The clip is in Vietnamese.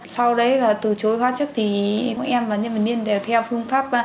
sau đấy là từ chối hóa chất thì em và nhân vật niên đều theo phương pháp